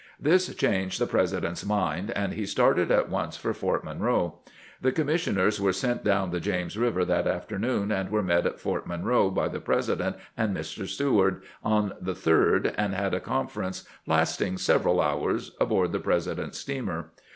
This changed the President's mind, and he started at once for Fort Monroe. The commissioners were sent dowoi the James River that afternoon, and were met at Fort Monroe by the President and Mr. Seward on the 3d, and had a conference lasting several hours aboard the Presi dent's steamer.